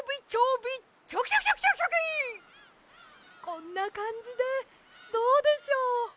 こんなかんじでどうでしょう？